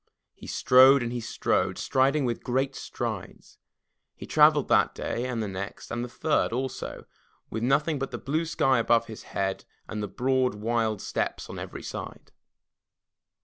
He strode and he strode, striding with great strides. He travelled that day and the next and the third also, with nothing but the blue sky above his head and the broad, wild steppes on every side.